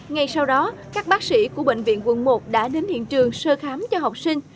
ngay sau đó các bác sĩ của bệnh viện quận một đã đến hiện trường sơ khám cho học sinh